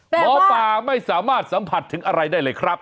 หมอปลาไม่สามารถสัมผัสถึงอะไรได้เลยครับ